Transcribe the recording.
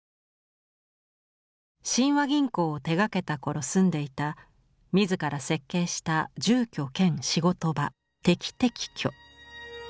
親和銀行を手がけた頃住んでいた自ら設計した住居兼仕事場滴々居。